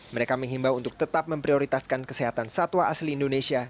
mereka menghimbau untuk tetap memprioritaskan kesehatan satwa asli indonesia